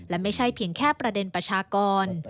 และไม่ใช่เพียงแค่ประเด็นประชากร